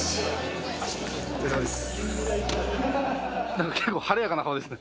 何か結構晴れやかな顔ですね。